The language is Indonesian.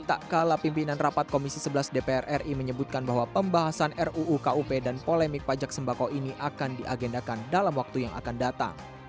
tak kalah pimpinan rapat komisi sebelas dpr ri menyebutkan bahwa pembahasan ruu kup dan polemik pajak sembako ini akan diagendakan dalam waktu yang akan datang